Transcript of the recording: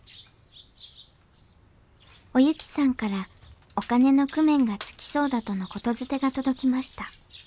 お雪さんからお金の工面がつきそうだとの言づてが届きました。